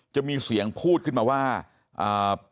จะมีเสียงพูดขึ้นมาว่าอ่า